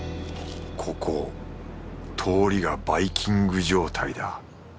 ここ通りがバイキング状態だ。